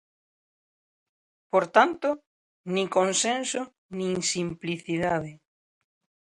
Por tanto, nin consenso nin simplicidade.